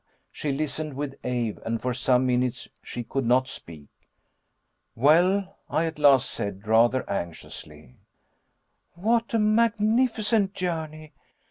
She listened with awe, and for some minutes she could not speak. "Well?" I at last said, rather anxiously. "What a magnificent journey.